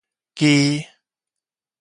支